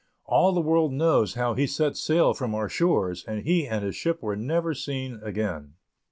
All the world knows how he set sail from our shores, and he and his ship were never seen again.